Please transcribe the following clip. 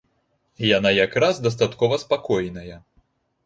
Яна якраз дастаткова спакойная.